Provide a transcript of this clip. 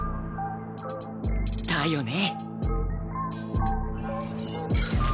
だよね。